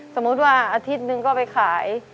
สมมุติว่าอาทิตย์หนึ่งก็ไปขาย